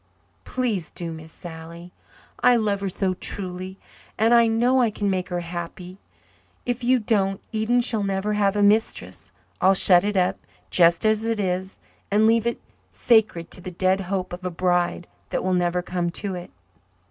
Please do, Miss Sally. I love her so truly and I know I can make her happy. If you don't, Eden shall never have a mistress. I'll shut it up, just as it is, and leave it sacred to the dead hope of a bride that will never come to it."